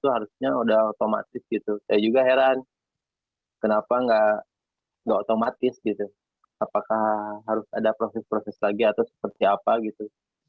harus ada proses proses lagi atau seperti apa gitu